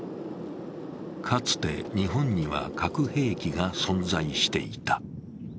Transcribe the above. かつて日本には核兵器が存在していた。